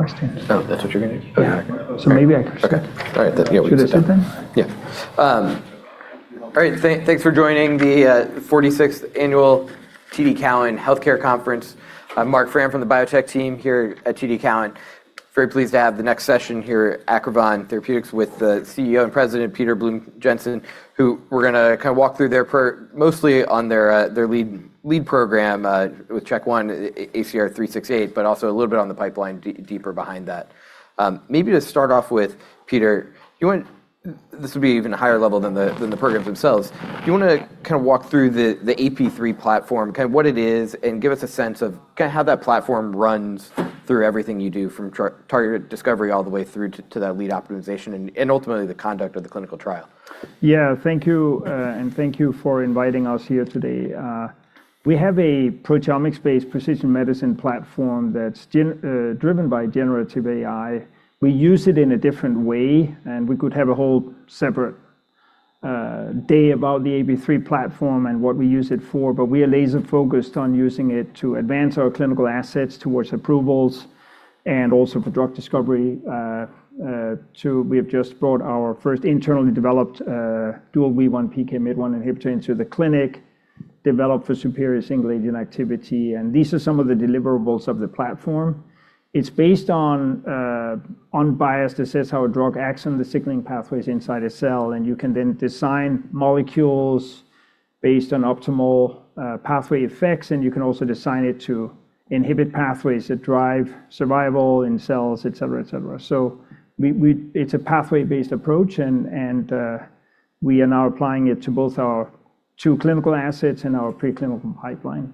Question. Oh, that's what you're gonna do? Yeah. Okay. All right. Yeah, we can start. Should I just start then? All right. Thanks for joining the 46th annual TD Cowen healthcare conference. I'm Marc Frahm from the biotech team here at TD Cowen. Very pleased to have the next session here, Acrivon Therapeutics, with the CEO and President, Peter Blume-Jensen, who we're gonna kinda walk through their mostly on their lead program with CHK1, ACR-368, but also a little bit on the pipeline deeper behind that. Maybe to start off with, Peter, This would be even higher level than the programs themselves. Do you wanna kinda walk through the AP3 platform, kind of what it is, and give us a sense of kinda how that platform runs through everything you do from targeted discovery all the way through to that lead optimization and ultimately the conduct of the clinical trial. Yeah. Thank you, and thank you for inviting us here today. We have a proteomics-based precision medicine platform that's driven by generative AI. We use it in a different way, and we could have a whole separate day about the AP3 platform and what we use it for, but we are laser focused on using it to advance our clinical assets towards approvals and also for drug discovery. Two, we have just brought our first internally developed dual WEE1 PKMYT1 inhibitor into the clinic, developed for superior single agent activity, and these are some of the deliverables of the platform. It's based on unbiased assess how a drug acts on the signaling pathways inside a cell, and you can then design molecules based on optimal pathway effects, and you can also design it to inhibit pathways that drive survival in cells, et cetera, et cetera. It's a pathway-based approach and we are now applying it to both our two clinical assets and our preclinical pipeline.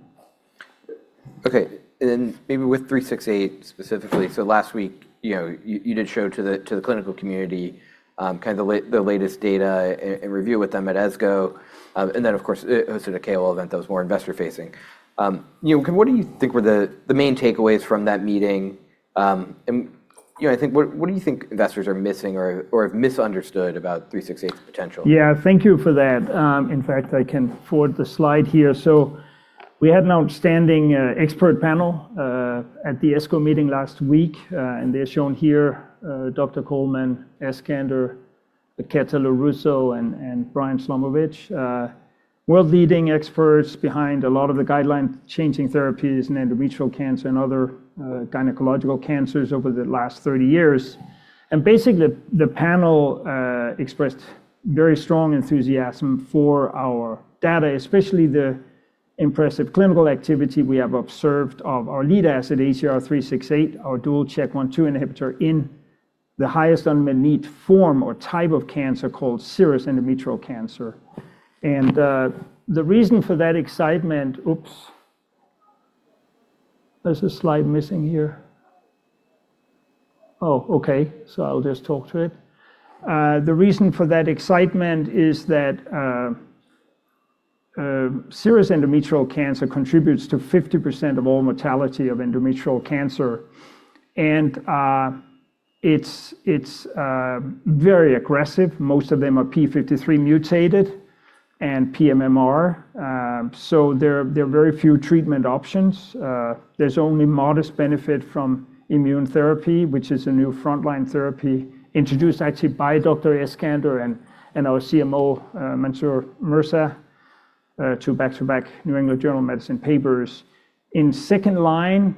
Okay. Maybe with 368 specifically, last week, you know, you did show to the clinical community, kinda the latest data and review with them at ESGO, of course hosted a KOL event that was more investor-facing. You know, what do you think were the main takeaways from that meeting? I think what do you think investors are missing or have misunderstood about 368's potential? Yeah. Thank you for that. In fact, I can forward the slide here. We had an outstanding expert panel at the ESGO meeting last week, and they're shown here, Dr. Coleman, Eskander, Becchetta, Larusso, and Brian Slomovitz. World-leading experts behind a lot of the guideline-changing therapies in endometrial cancer and other gynecological cancers over the last 30 years. Basically, the panel expressed very strong enthusiasm for our data, especially the impressive clinical activity we have observed of our lead asset, ACR-368, our dual CHK1/2 inhibitor in the highest unmet need form or type of cancer called serous endometrial cancer. The reason for that excitement. Oops. There's a slide missing here. Oh, okay. I'll just talk to it. The reason for that excitement is that Serous endometrial cancer contributes to 50% of all mortality of endometrial cancer, and it's very aggressive. Most of them are P53 mutated and pMMR, so there are very few treatment options. There's only modest benefit from immune therapy, which is a new frontline therapy introduced actually by Dr. Eskander and our CMO, Mansoor Raza Mirza, two back-to-back New England Journal of Medicine papers. In second line,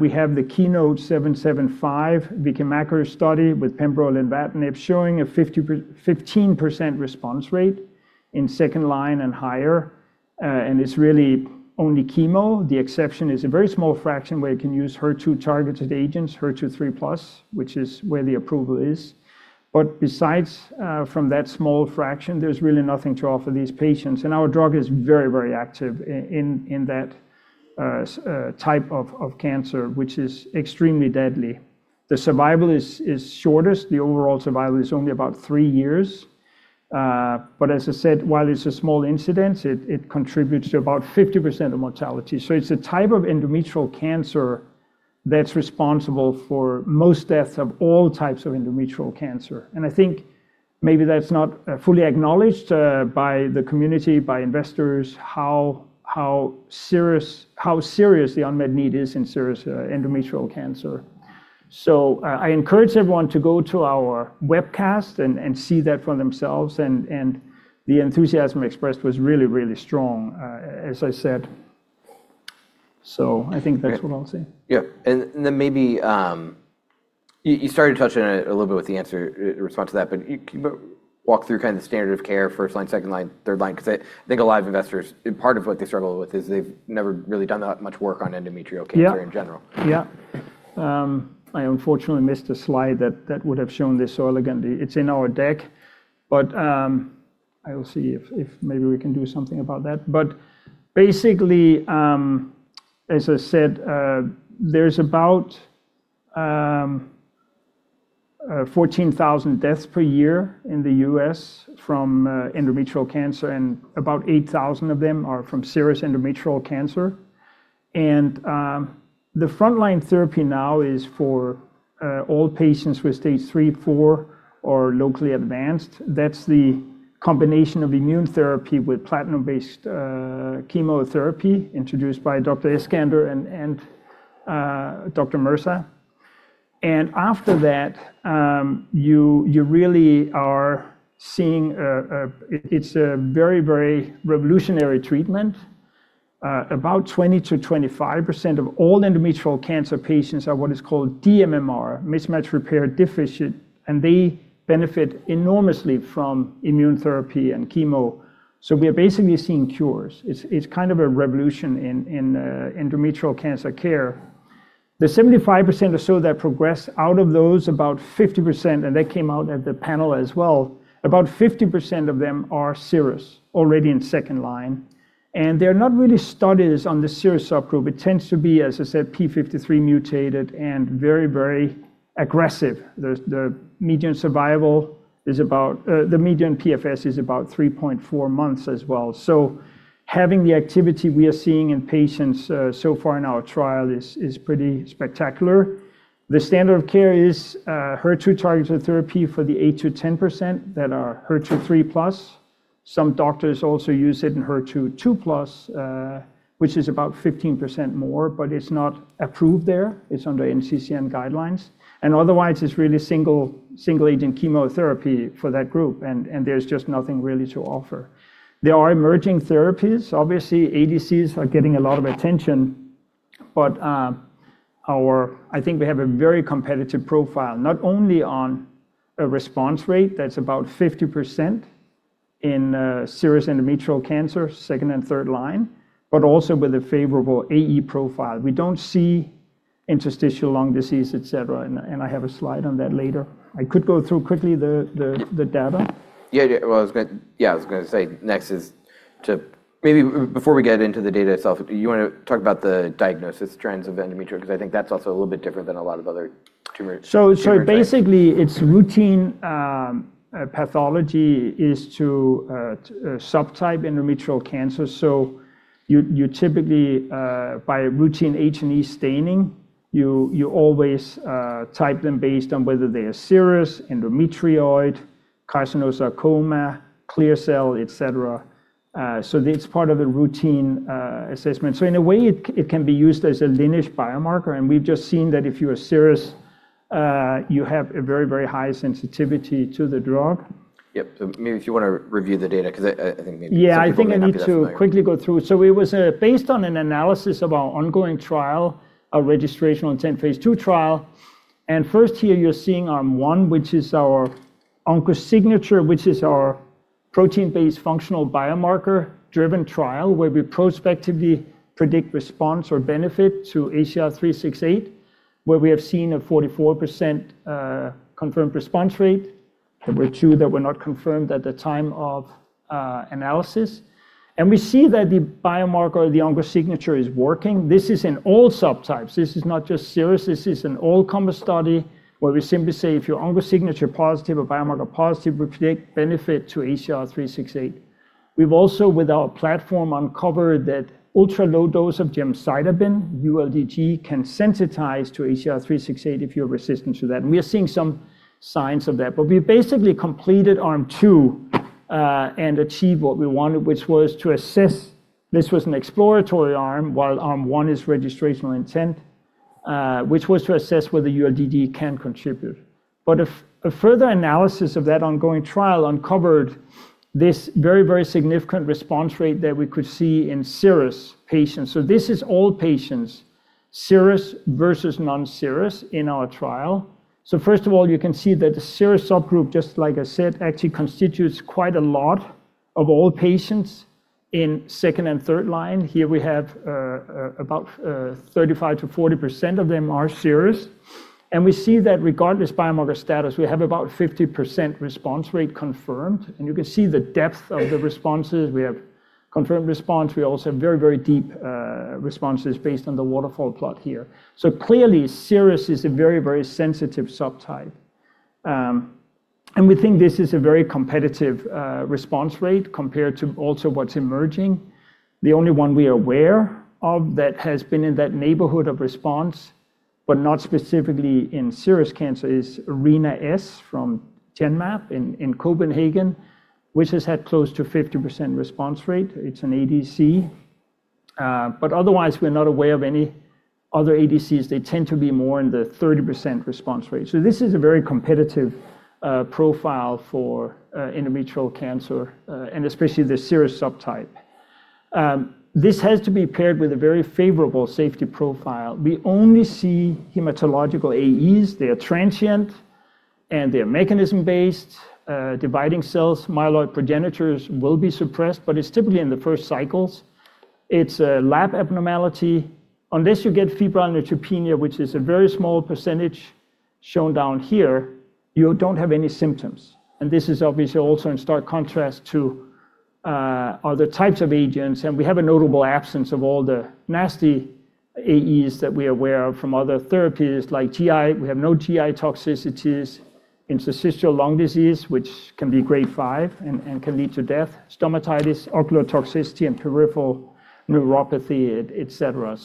we have the KEYNOTE-775, Vicky Makker study with Pembrolizumab showing a 15% response rate in second line and higher, and it's really only chemo. The exception is a very small fraction where you can use HER2-targeted agents, HER2 3+, which is where the approval is. Besides, from that small fraction, there's really nothing to offer these patients. Our drug is very, very active in that type of cancer, which is extremely deadly. The survival is shortest. The overall survival is only about three years. As I said, while it's a small incidence, it contributes to about 50% of mortality. It's a type of endometrial cancer that's responsible for most deaths of all types of endometrial cancer. I think maybe that's not fully acknowledged by the community, by investors, how serious the unmet need is in serous endometrial cancer. I encourage everyone to go to our webcast and see that for themselves and the enthusiasm expressed was really strong, as I said. I think that's what I'll say. Yeah. Then maybe, you started touching on it a little bit with the answer in response to that, but can you walk through kinda the standard of care, first line, second line, third line? 'Cause I think a lot of investors, part of what they struggle with is they've never really done that much work on endometrial cancer in general. Yeah. Yeah. I unfortunately missed a slide that would have shown this so elegantly. It's in our deck, but I will see if maybe we can do something about that. Basically, as I said, there's about 14,000 deaths per year in the U.S. from endometrial cancer, and about 8,000 of them are from serous endometrial cancer. The frontline therapy now is for all patients with stage three, four, or locally advanced. That's the combination of immunotherapy with platinum-based chemotherapy introduced by Dr. Eskander and Dr. Mirza. After that, you really are seeing it's a very, very revolutionary treatment. About 20%-25% of all endometrial cancer patients are what is called dMMR, mismatch repair deficient, and they benefit enormously from immunotherapy and chemo. We are basically seeing cures. It's, it's kind of a revolution in endometrial cancer care. The 75% or so that progress, out of those, about 50%, and that came out at the panel as well, about 50% of them are serous, already in second-line. There are not really studies on the serous subgroup. It tends to be, as I said, P53 mutated and very, very aggressive. The, the median survival is about, the median PFS is about 3.4 months as well. Having the activity we are seeing in patients, so far in our trial is pretty spectacular. The standard of care is HER2-targeted therapy for the 8%-10% that are HER2 3+. Some doctors also use it in HER2 2+, which is about 15% more, but it's not approved there. It's under NCCN guidelines. Otherwise, it's really single-agent chemotherapy for that group, and there's just nothing really to offer. There are emerging therapies. Obviously, ADCs are getting a lot of attention, but I think we have a very competitive profile, not only on a response rate that's about 50% in serous endometrial cancer, second and third line, but also with a favorable AE profile. We don't see interstitial lung disease, et cetera, and I have a slide on that later. I could go through quickly the data. Yeah, yeah. Maybe before we get into the data itself, do you wanna talk about the diagnosis trends of endometrial? I think that's also a little bit different than a lot of other tumor types. Basically, it's routine pathology is to subtype endometrial cancer. You typically by routine H&E staining, you always type them based on whether they are serous, endometrioid, carcinosarcoma, clear cell, et cetera. It's part of a routine assessment. In a way, it can be used as a lineage biomarker, and we've just seen that if you are serous, you have a very high sensitivity to the drug. Yep. Maybe if you wanna review the data 'cause I think maybe some people may not be familiar. Yeah, I think I need to quickly go through. It was based on an analysis of our ongoing trial, a registrational intent phase II trial. First here you're seeing arm one, which is our OncoSignature, which is our protein-based functional biomarker driven trial where we prospectively predict response or benefit to ACR-368, where we have seen a 44% confirmed response rate. There were two that were not confirmed at the time of analysis. We see that the biomarker, the OncoSignature, is working. This is in all subtypes. This is not just serous. This is an all-comer study where we simply say, if you're OncoSignature positive or biomarker positive, we predict benefit to ACR-368. We've also, with our platform, uncovered that ultra-low dose of gemcitabine, ULDG, can sensitize to ACR-368 if you're resistant to that, and we are seeing some signs of that. We basically completed arm two, and achieved what we wanted, which was to assess. This was an exploratory arm, while arm one is registrational intent, which was to assess whether ULDG can contribute. A further analysis of that ongoing trial uncovered this very, very significant response rate that we could see in serous patients. This is all patients, serous versus non-serous in our trial. First of all, you can see that the serous subgroup, just like I said, actually constitutes quite a lot of all patients in second and third line. Here we have about 35%-40% of them are serous. We see that regardless biomarker status, we have about 50% response rate confirmed. You can see the depth of the responses. We have confirmed response. We also have very, very deep responses based on the waterfall plot here. Clearly, serous is a very, very sensitive subtype. We think this is a very competitive response rate compared to also what's emerging. The only one we are aware of that has been in that neighborhood of response, but not specifically in serous cancer, is ARENA-S from Genmab in Copenhagen, which has had close to 50% response rate. It's an ADC. Otherwise, we're not aware of any other ADCs. They tend to be more in the 30% response rate. This is a very competitive profile for endometrial cancer, and especially the serous subtype. This has to be paired with a very favorable safety profile. We only see hematological AEs. They are transient, and they are mechanism-based, dividing cells. Myeloid progenitors will be suppressed, but it's typically in the first cycles. It's a lab abnormality. Unless you get febrile neutropenia, which is a very small % shown down here, you don't have any symptoms. This is obviously also in stark contrast to other types of agents. We have a notable absence of all the nasty AEs that we are aware of from other therapies like GI. We have no GI toxicities, interstitial lung disease, which can be grade five and can lead to death, stomatitis, ocular toxicity, and peripheral neuropathy, et cetera.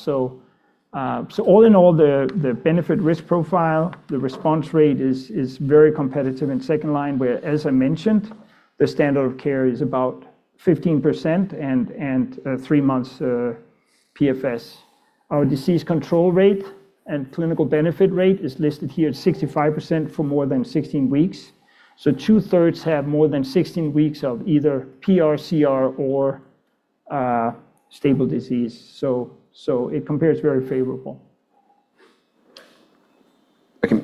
All in all the benefit risk profile, the response rate is very competitive in second line, where, as I mentioned, the standard of care is about 15% and three months PFS. Our disease control rate and clinical benefit rate is listed here at 65% for more than 16 weeks. Two thirds have more than 16 weeks of either PR, CR or stable disease. It compares very favorable. Okay.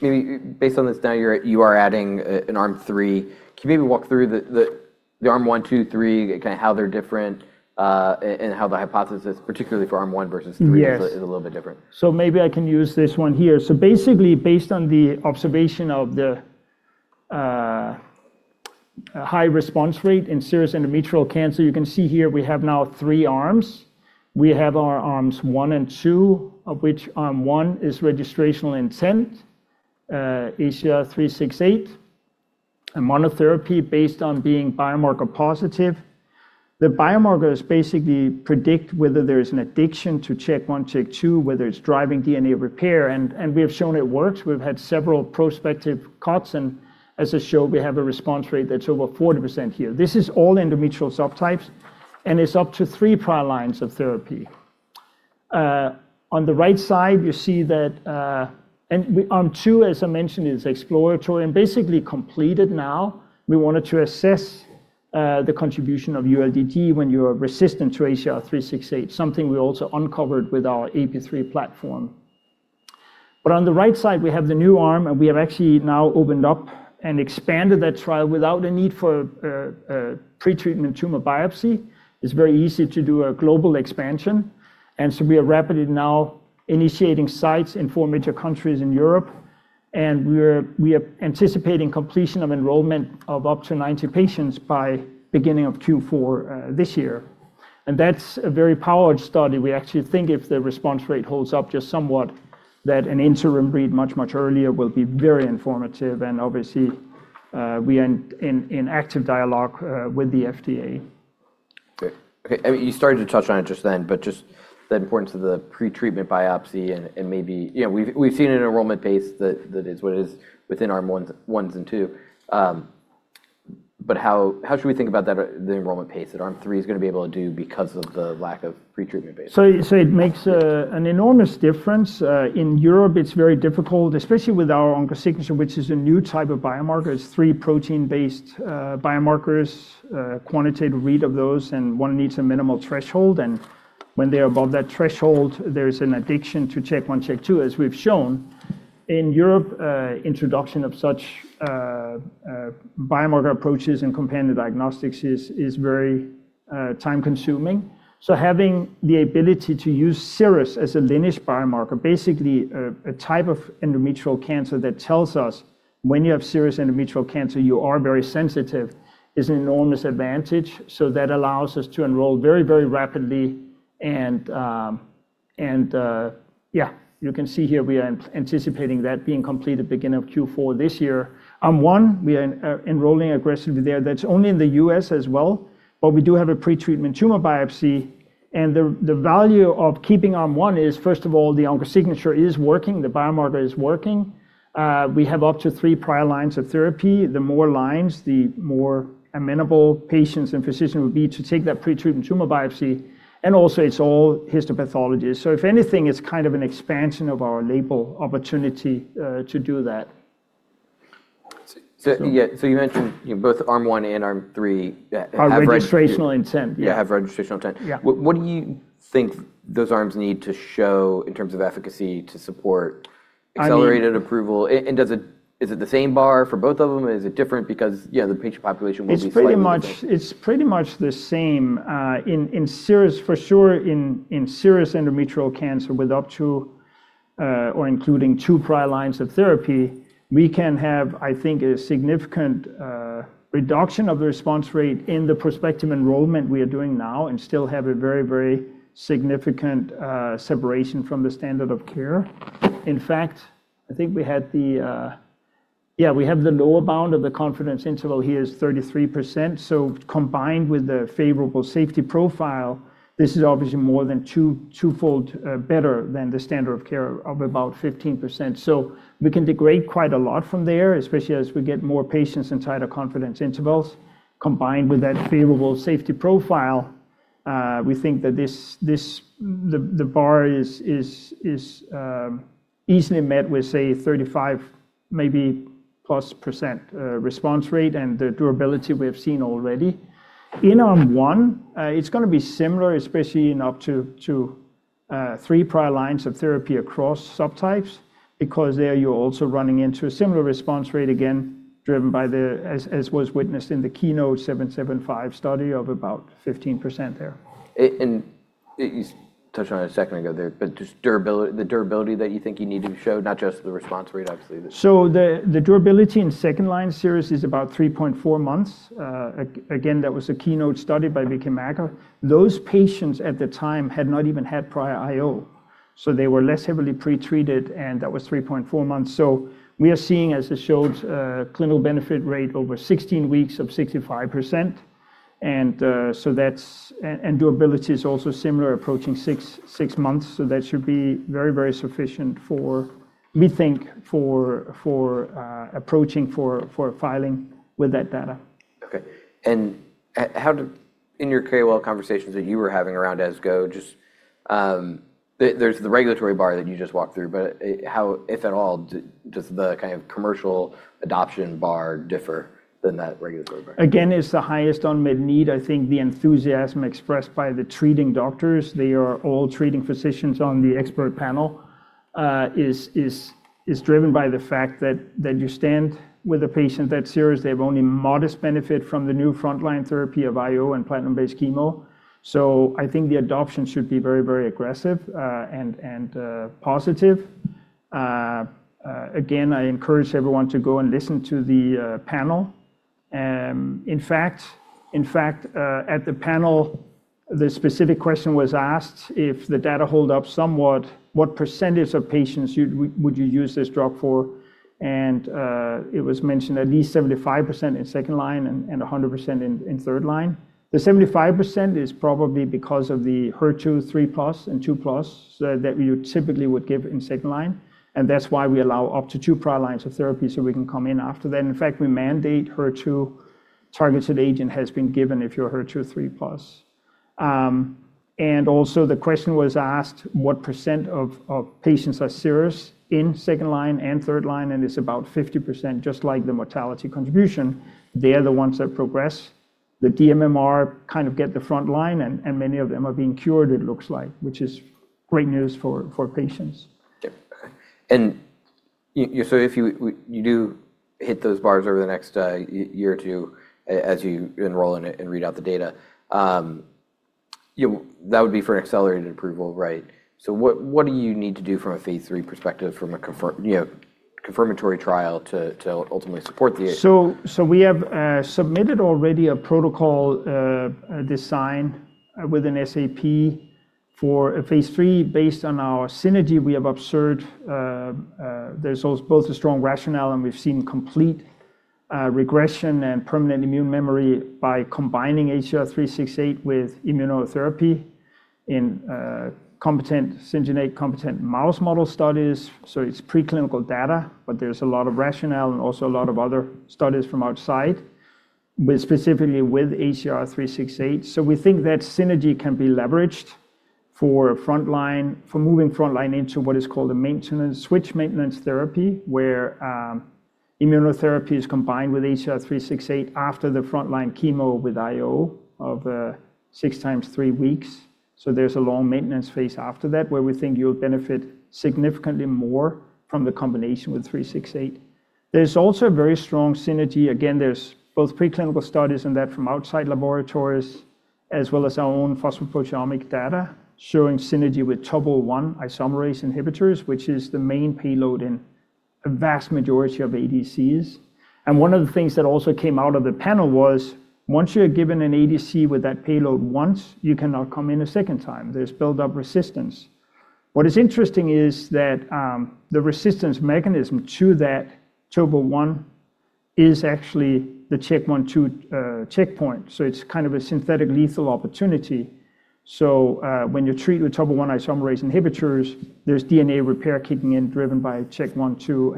Maybe based on this now you are adding an arm three. Can you maybe walk through the arm one, two, three, kinda how they're different, and how the hypothesis particularly for arm one versus three. Yes Is a little bit different. Maybe I can use this one here. Basically based on the observation of the high response rate in serous endometrial cancer, you can see here we have now three arms. We have our arms one and two, of which arm one is registrational intent, ACR-368, a monotherapy based on being biomarker positive. The biomarkers basically predict whether there's an addiction to check one, check two, whether it's driving DNA repair, and we have shown it works. We've had several prospective cuts and as I showed, we have a response rate that's over 40% here. This is all endometrial subtypes, and it's up to three prior lines of therapy. On the right side, you see that arm two, as I mentioned, is exploratory and basically completed now. We wanted to assess the contribution of ULDG when you are resistant to ACR-368, something we also uncovered with our AP3 platform. On the right side we have the new arm, and we have actually now opened up and expanded that trial without the need for a pretreatment tumor biopsy. It's very easy to do a global expansion. We are rapidly now initiating sites in four major countries in Europe. We are anticipating completion of enrollment of up to 90 patients by beginning of Q4 this year. That's a very powered study. We actually think if the response rate holds up just somewhat that an interim read much, much earlier will be very informative. Obviously, we are in active dialogue with the FDA. Great. Okay. I mean, you started to touch on it just then, but just the importance of the pretreatment biopsy and maybe, you know, we've seen an enrollment base that is what it is within arm one and two. How, how should we think about that, the enrollment pace that arm three is gonna be able to do because of the lack of pretreatment base? It makes an enormous difference. In Europe it's very difficult, especially with our OncoSignature, which is a new type of biomarker. It's three protein-based biomarkers, quantitative read of those, and one needs a minimal threshold. When they're above that threshold, there's an addiction to CHK1, CHK2, as we've shown. In Europe, introduction of such biomarker approaches and companion diagnostics is very time-consuming. Having the ability to use Serous as a lineage biomarker, basically a type of endometrial cancer that tells us when you have Serous endometrial cancer, you are very sensitive, is an enormous advantage. That allows us to enroll very, very rapidly. You can see here we are anticipating that being completed beginning of Q4 this year. Arm one, we are enrolling aggressively there. That's only in the U.S. as well, but we do have a pretreatment tumor biopsy. The value of keeping arm one is, first of all, the OncoSignature is working, the biomarker is working. We have up to three prior lines of therapy. The more lines, the more amenable patients and physician would be to take that pretreatment tumor biopsy. Also it's all histopathologic. If anything, it's kind of an expansion of our label opportunity to do that. Yeah. You mentioned both arm one and arm three, yeah. Are registrational intent. Yeah. have registrational intent. Yeah. What do you think those arms need to show in terms of efficacy? I mean Accelerated approval? Is it the same bar for both of them? Is it different because, you know, the patient population will be slightly different? It's pretty much the same. In Serous for sure in Serous endometrial cancer with up to or including two prior lines of therapy, we can have, I think, a significant reduction of the response rate in the prospective enrollment we are doing now and still have a very significant separation from the standard of care. In fact, I think we had the. Yeah, we have the lower bound of the confidence interval here is 33%. Combined with the favorable safety profile, this is obviously more than twofold better than the standard of care of about 15%. We can degrade quite a lot from there, especially as we get more patients inside our confidence intervals. Combined with that favorable safety profile, we think that this the bar is easily met with, say, 35 maybe +% response rate and the durability we have seen already. In arm one, it's gonna be similar, especially in up to three prior lines of therapy across subtypes, because there you're also running into a similar response rate, again, driven by the, as was witnessed in the KEYNOTE-775 study of about 15% there. You touched on it a second ago there, but just durability, the durability that you think you need to show, not just the response rate, obviously. The durability in second line serous is about 3.4 months. Again, that was a Keynote study by Vicky Makker. Those patients at the time had not even had prior IO, so they were less heavily pretreated, and that was 3.4 months. We are seeing, as I showed, a clinical benefit rate over 16 weeks of 65%. Durability is also similar, approaching 6 months. That should be very sufficient for me think for approaching for filing with that data. Okay. How do, in your KOL conversations that you were having around ASCO, just, there's the regulatory bar that you just walked through, but, how, if at all, does the kind of commercial adoption bar differ than that regulatory bar? Again, it's the highest unmet need. I think the enthusiasm expressed by the treating doctors, they are all treating physicians on the expert panel, is driven by the fact that you stand with a patient that serious, they have only modest benefit from the new frontline therapy of IO and platinum-based chemo. I think the adoption should be very aggressive and positive. Again, I encourage everyone to go and listen to the panel. In fact, at the panel, the specific question was asked if the data hold up somewhat, what percentage of patients would you use this drug for? It was mentioned at least 75% in second line and 100% in third line. The 75% is probably because of the HER2 3+ and 2+, that we typically would give in second line, and that's why we allow up to two prior lines of therapy so we can come in after that. In fact, we mandate HER2 targeted agent has been given if you're HER2 3+. The question was asked, what percent of patients are serous in second line and third line, and it's about 50%, just like the mortality contribution. They're the ones that progress. The dMMR kind of get the front line and many of them are being cured, it looks like, which is great news for patients. Yep. Okay. If you do hit those bars over the next year or two as you enroll in it and read out the data, that would be for an accelerated approval, right? What do you need to do from a phase three perspective, from a you know, confirmatory trial to ultimately support? We have submitted already a protocol, a design, with an SAP for a phase III based on our synergy we have observed. There's both a strong rationale, and we've seen complete regression and permanent immune memory by combining ACR-368 with immunotherapy in competent, syngeneic competent mouse model studies. It's preclinical data, but there's a lot of rationale and also a lot of other studies from outside with, specifically with ACR-368. We think that synergy can be leveraged for frontline, for moving frontline into what is called a maintenance, switch maintenance therapy, where immunotherapy is combined with ACR-368 after the frontline chemo with IO of six times three weeks. There's a long maintenance phase after that, where we think you'll benefit significantly more from the combination with 368. There's also a very strong synergy. Again, there's both preclinical studies and that from outside laboratories, as well as our own phosphoproteomic data showing synergy with Topoisomerase I inhibitors, which is the main payload in a vast majority of ADCs. One of the things that also came out of the panel was once you're given an ADC with that payload once, you cannot come in a second time. There's built up resistance. What is interesting is that the resistance mechanism to that topo one is actually the check one two checkpoint. It's kind of a synthetic lethal opportunity. When you treat with Topoisomerase I inhibitors, there's DNA repair kicking in, driven by check one two.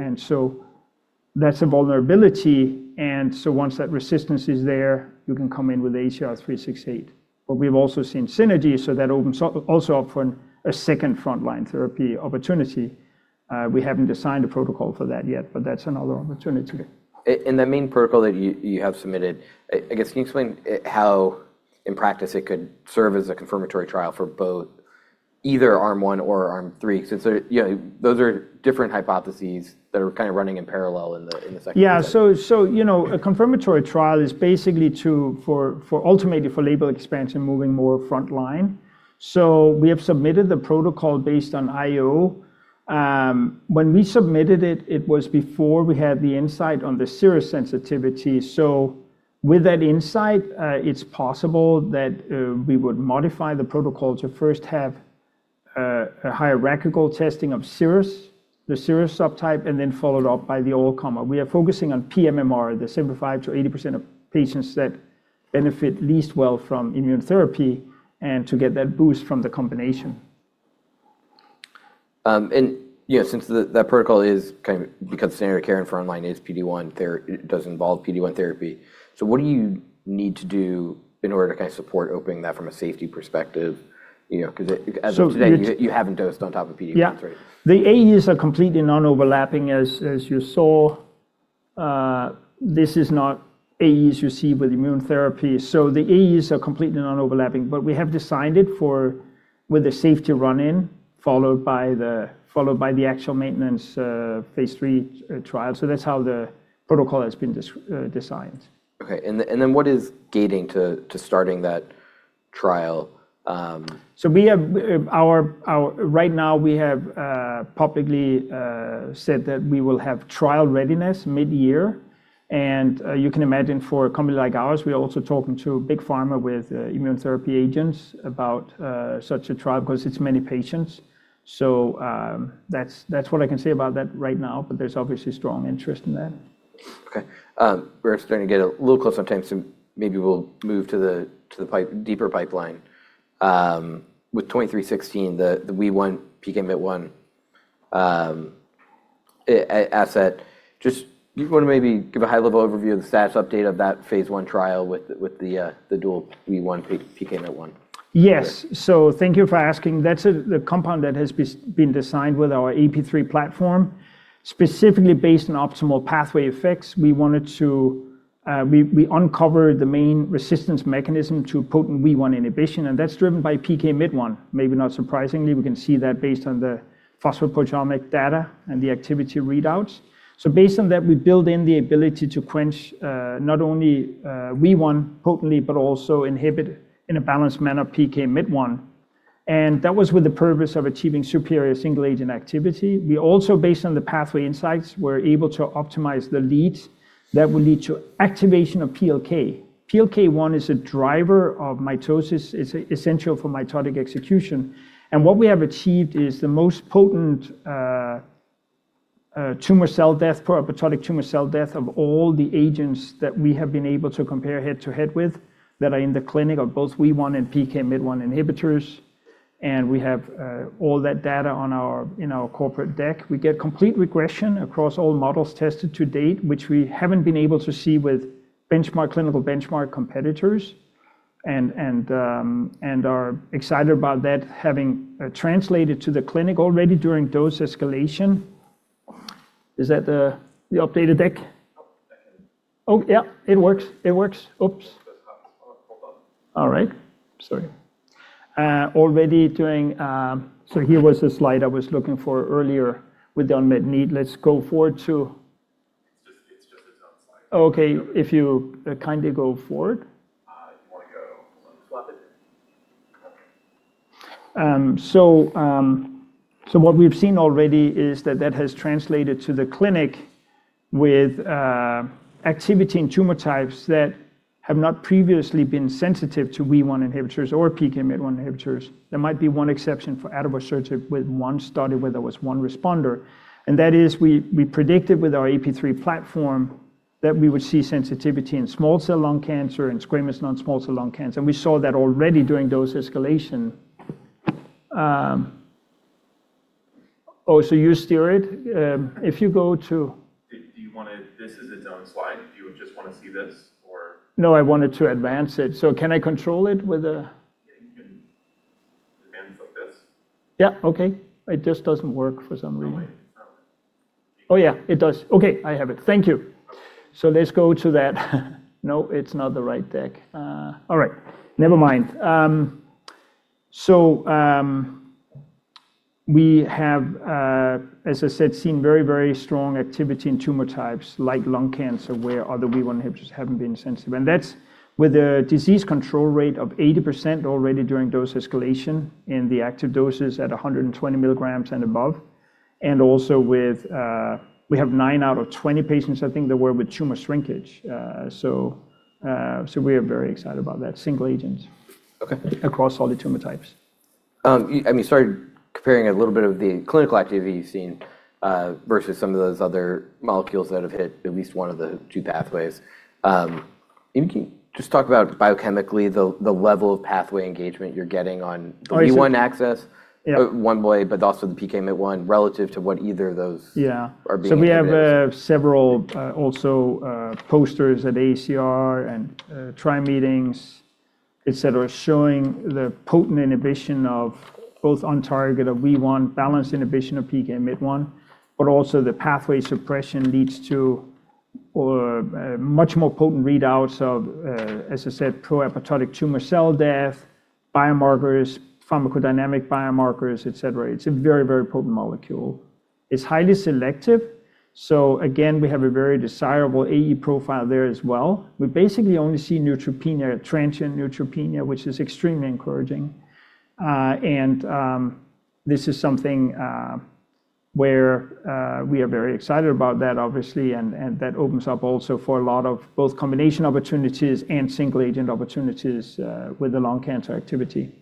That's a vulnerability. Once that resistance is there, you can come in with ACR-368. We've also seen synergy, that opens up also for a second frontline therapy opportunity. We haven't designed a protocol for that yet, that's another opportunity. The main protocol that you have submitted, I guess, can you explain how in practice it could serve as a confirmatory trial for both either arm one or arm three? Since they're, you know, those are different hypotheses that are kinda running in parallel in the second Yeah. So, you know, a confirmatory trial is basically to, for ultimately for label expansion, moving more frontline. We have submitted the protocol based on IO. When we submitted it was before we had the insight on the serous sensitivity. With that insight, it's possible that we would modify the protocol to first have a hierarchical testing of serous, the serous subtype, and then followed up by the old comma. We are focusing on pMMR, the 75%-80% of patients that benefit least well from immune therapy, and to get that boost from the combination. You know, since that protocol is kind of, because the standard of care in frontline it does involve PD-1 therapy. What do you need to do in order to kind of support opening that from a safety perspective? You know, 'cause as of today, you haven't dosed on top of PD-1, right? Yeah. The AEs are completely non-overlapping as you saw. This is not AEs you see with immune therapy. The AEs are completely non-overlapping. We have designed it for with a safety run-in followed by the actual maintenance phase 3 trial. That's how the protocol has been designed. Okay. What is gating to starting that trial? We have right now we have publicly said that we will have trial readiness mid-year. You can imagine for a company like ours, we are also talking to big pharma with immune therapy agents about such a trial 'cause it's many patients. That's what I can say about that right now, but there's obviously strong interest in that. Okay. We're starting to get a little close on time, so maybe we'll move to the deeper pipeline. With 2316, the WEE1 PKMYT1, asset. Just you wanna maybe give a high-level overview of the status update of that phase 1 trial with the dual WEE1 PKMYT1? Yes. Thank you for asking. That's the compound that has been designed with our AP3 platform, specifically based on optimal pathway effects. We uncovered the main resistance mechanism to potent WEE1 inhibition, and that's driven by PKMYT1, maybe not surprisingly. We can see that based on the phosphoproteomic data and the activity readouts. Based on that, we build in the ability to quench not only WEE1 potently, but also inhibit in a balanced manner PKMYT1. That was with the purpose of achieving superior single-agent activity. We also, based on the pathway insights, were able to optimize the leads that will lead to activation of PLK. PLK1 is a driver of mitosis. It's essential for mitotic execution. What we have achieved is the most potent, tumor cell death, pro-apoptotic tumor cell death of all the agents that we have been able to compare head-to-head with that are in the clinic of both WEE1 and PKMYT1 inhibitors. We have all that data on our, in our corporate deck. We get complete regression across all models tested to date, which we haven't been able to see with benchmark, clinical benchmark competitors and are excited about that having translated to the clinic already during dose escalation. Is that the updated deck? No, it's that one. Oh, yeah, it works. It works. Oops. It just happens on a pop-up. All right. Sorry. already doing, here was the slide I was looking for earlier with the unmet need. Let's go forward to It's just its own slide. Okay. If you, kindly go forward. If you wanna go swap it. Okay. What we've seen already is that that has translated to the clinic with activity in tumor types that have not previously been sensitive to WEE1 inhibitors or PKMYT1 inhibitors. There might be one exception for adenocarcinoma with one study where there was one responder. That is we predicted with our AP3 platform that we would see sensitivity in small cell lung cancer and squamous non-small cell lung cancer. We saw that already during dose escalation. You steer it? If you go to- Do you wanna? This is its own slide. Do you just wanna see this? No, I wanted to advance it. Can I control it with? Yeah, you can. You can from this. Yeah, okay. It just doesn't work for some reason. No, wait. No. Oh, yeah, it does. Okay. I have it. Thank you. Okay. Let's go to that. No, it's not the right deck. All right. Never mind. We have, as I said, seen very, very strong activity in tumor types like lung cancer where other WEE1 inhibitors haven't been sensitive. And that's with a disease control rate of 80% already during dose escalation in the active doses at 120 milligrams and above, and also with, we have 9 out of 20 patients, I think there were, with tumor shrinkage. We are very excited about that single agent Okay Across all the tumor types. We started comparing a little bit of the clinical activity you've seen versus some of those other molecules that have hit at least one of the two pathways. Can you just talk about biochemically the level of pathway engagement you're getting on. Oh, so The WEE1 access Yeah One way, but also the PKMYT1 relative to what either of those Yeah Are being inhibited. We have several also posters at ACR and tri-meetings, et cetera, showing the potent inhibition of both on target of WEE1, balanced inhibition of PKMYT1, but also the pathway suppression leads to much more potent readouts of, as I said, pro-apoptotic tumor cell death, biomarkers, pharmacodynamic biomarkers, et cetera. It's a very, very potent molecule. It's highly selective, so again, we have a very desirable AE profile there as well. We basically only see neutropenia, transient neutropenia, which is extremely encouraging. And this is something where we are very excited about that obviously and that opens up also for a lot of both combination opportunities and single agent opportunities with the lung cancer activity.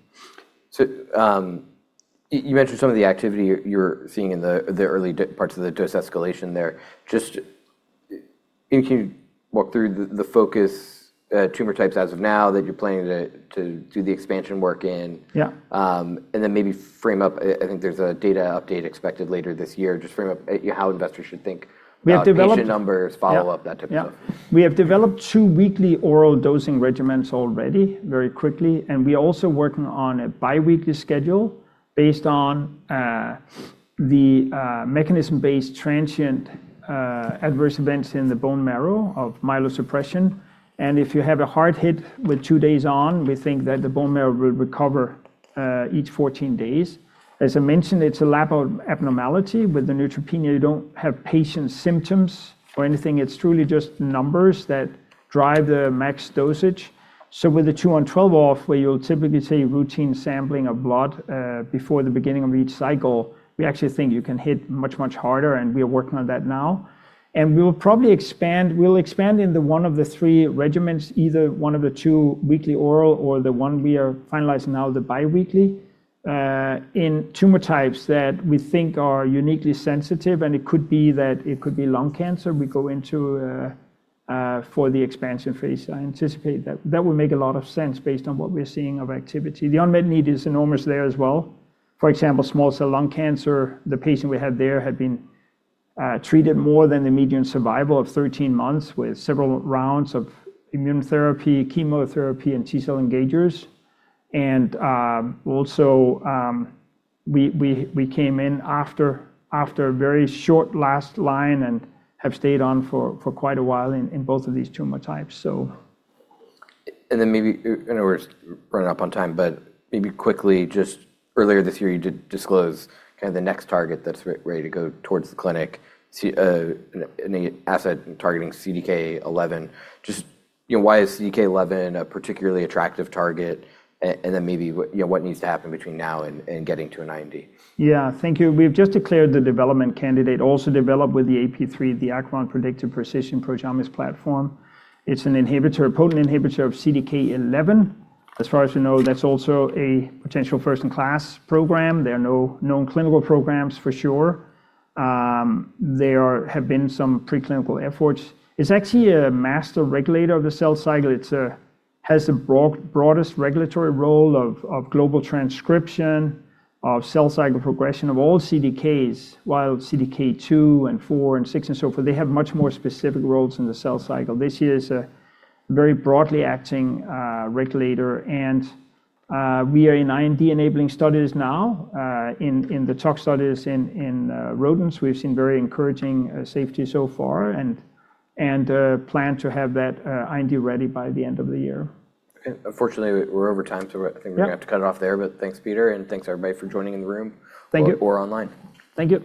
You mentioned some of the activity you're seeing in the early parts of the dose escalation there. Just. Can you walk through the focus, tumor types as of now that you're planning to do the expansion work in? Yeah. Maybe frame up, I think there's a data update expected later this year. Just frame up, how investors should. We have. About patient numbers, follow-up, that type of thing. Yeah. Yeah. We have developed two weekly oral dosing regimens already very quickly, and we're also working on a bi-weekly schedule based on the mechanism-based transient adverse events in the bone marrow of myelosuppression. If you have a hard hit with 2 days on, we think that the bone marrow will recover each 14 days. As I mentioned, it's a lab abnormality. With the neutropenia, you don't have patient symptoms or anything. It's truly just numbers that drive the max dosage. With the two on, 12 off, where you'll typically see routine sampling of blood before the beginning of each cycle, we actually think you can hit much, much harder, and we are working on that now. We will probably expand. We'll expand into one of the three regimens, either one of the two weekly oral or the one we are finalizing now, the bi-weekly. In tumor types that we think are uniquely sensitive, and it could be that it could be lung cancer, we go into for the expansion phase. I anticipate that that would make a lot of sense based on what we're seeing of activity. The unmet need is enormous there as well. For example, Small Cell Lung Cancer. The patient we had there had been treated more than the median survival of 13 months with several rounds of immunotherapy, chemotherapy, and T-cell engagers. Also, we came in after a very short last line and have stayed on for quite a while in both of these tumor types. Maybe, I know we're running up on time, but maybe quickly just earlier this year you did disclose kind of the next target that's ready to go towards the clinic, an asset targeting CDK11. Just, you know, why is CDK11 a particularly attractive target? Then maybe what, you know, what needs to happen between now and getting to an IND? Yeah. Thank you. We've just declared the development candidate also developed with the AP3, the Acrivon Predictive Precision Proteomics platform. It's an inhibitor, a potent inhibitor of CDK11. As far as we know, that's also a potential first-in-class program. There are no known clinical programs for sure. There have been some preclinical efforts. It's actually a master regulator of the cell cycle. It has the broadest regulatory role of global transcription, of cell cycle progression of all CDKs. While CDK2 and four and six and so forth, they have much more specific roles in the cell cycle. This here is a very broadly acting regulator and we are in IND-enabling studies now. In the tox studies in rodents, we've seen very encouraging safety so far and plan to have that IND ready by the end of the year. Unfortunately, we're over time, so I think we're gonna have to cut it off there. Thanks, Peter, and thanks everybody for joining in the room. Thank you. Or online. Thank you.